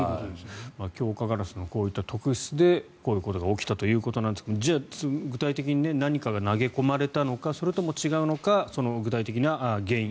強化ガラスのこういった特質でこういうことが起きたということですが具体的に何かが投げ込まれたのかそれとも違うのか具体的な原因